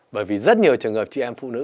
bởi vì rất nhiều trường hợp chị em phụ nữ